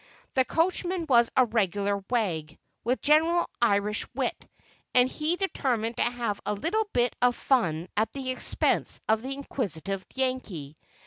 The coachman was a regular wag, with genuine Irish wit, and he determined to have a little bit of fun at the expense of the inquisitive Yankee.